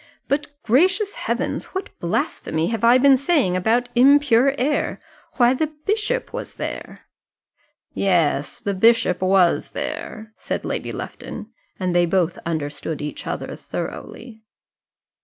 But, gracious heavens! what blasphemy have I been saying about impure air? Why, the bishop was there!" "Yes, the bishop was there," said Lady Lufton, and they both understood each other thoroughly.